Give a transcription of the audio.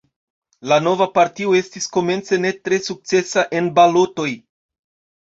La nova partio estis komence ne tre sukcesa en balotoj.